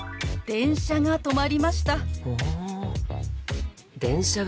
電車が止まりました。